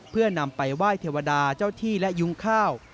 เพื่อนำไปไหว้เทวดาเจ้าที่และยุ้งข้าว